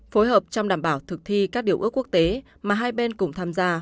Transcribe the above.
phối hợp trong đảm bảo thực thi các điều ước quốc tế mà hai bên cùng tham gia